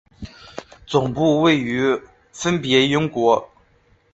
总部位于分别英国。